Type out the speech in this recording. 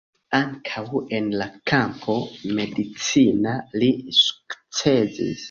Ankaŭ en la kampo medicina li sukcesis.